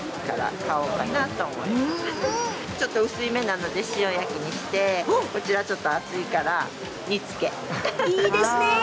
ちょっと薄い目なので塩焼きにしてこっちはちょっと厚いから煮つけ。